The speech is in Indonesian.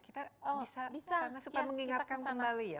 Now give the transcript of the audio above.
kita bisa ke sana supaya mengingatkan kembali ya